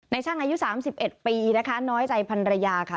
ในช่างอายุ๓๑ปีน้อยใจพันรยาค่ะ